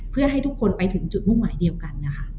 เพื่อให้ทุกคนไปถึงจุดมุ่งหมายเดียวกันนะคะ